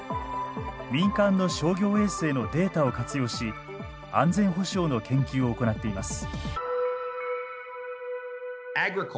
民間の商業衛星のデータを活用し安全保障の研究を行っています。